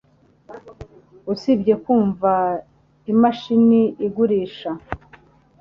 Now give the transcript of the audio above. usibye kumva imashini igurisha.